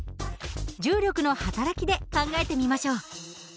重力の働きで考えてみましょう。